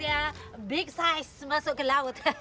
oke kita saksikan wanita besar masuk ke laut